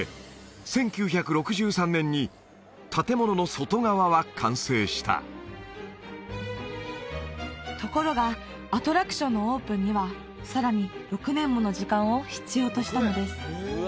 １９６３年に建物の外側は完成したところがアトラクションのオープンにはさらに６年もの時間を必要としたのです